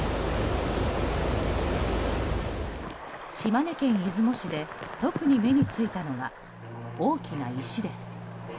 島根県出雲市で特に目についたのが大きな石です。